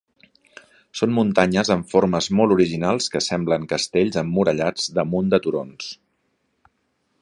Són muntanyes amb formes molt originals que semblen castells emmurallats damunt de turons.